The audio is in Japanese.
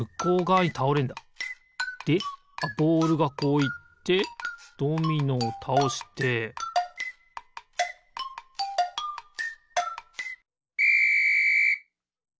でボールがこういってドミノをたおしてピッ！